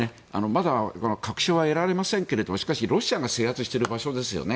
まだ確証は得られませんがしかし、ロシアが制圧している場所ですよね。